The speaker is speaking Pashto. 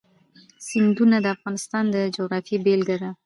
سیندونه د افغانستان د جغرافیې بېلګه ده.